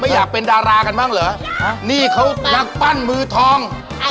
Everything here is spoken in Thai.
อยากเป็นดารากันบ้างเหรอฮะนี่เขานักปั้นมือทอง